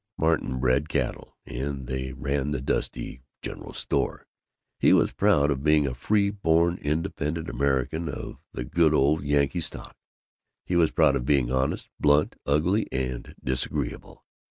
Martin bred cattle and ran the dusty general store. He was proud of being a freeborn independent American of the good old Yankee stock; he was proud of being honest, blunt, ugly, and disagreeable.